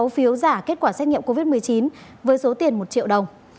sáu phiếu giả kết quả xét nghiệm covid một mươi chín với số tiền một triệu đồng